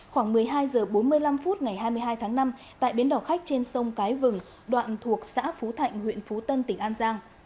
khoảng một mươi hai h bốn mươi năm phút ngày hai mươi hai tháng năm tại bến đỏ khách trên sông cái vừng đoạn thuộc xã phú thạnh huyện phú tân tỉnh an giang